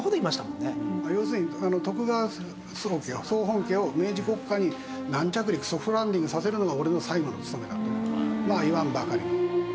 要するに徳川総本家を明治国家に軟着陸ソフトランディングさせるのが俺の最後の務めだと言わんばかりの。